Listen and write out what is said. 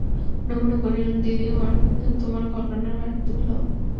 অন্নপূর্ণা কহিলেন, দিদি, তোমার ঘরকন্নার ভার তুমি লও।